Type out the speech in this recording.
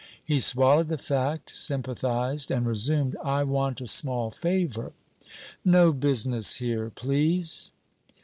He swallowed the fact, sympathized, and resumed: 'I want a small favour.' 'No business here, please!'